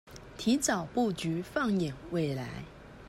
提早布局放眼未來